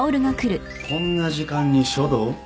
こんな時間に書道？